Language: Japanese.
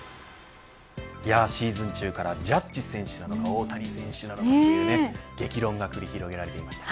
シーズン中からジャッジ選手なのか大谷選手なのかという激論が繰り広げられていました。